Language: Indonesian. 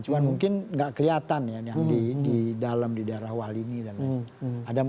cuma mungkin nggak kelihatan ya yang di dalam di daerah walini dan lain lain